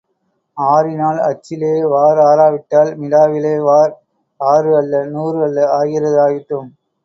ஆறினால் அச்சிலே வார் ஆறாவிட்டால் மிடாவிலே வார், ஆறு அல்ல, நூறு அல்ல, ஆகிறது ஆகட்டும்.